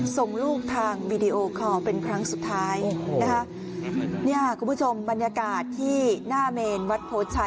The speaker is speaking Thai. ส่งลูกทางวีดีโอคอลเป็นครั้งสุดท้ายนะคะเนี่ยคุณผู้ชมบรรยากาศที่หน้าเมนวัดโพชัย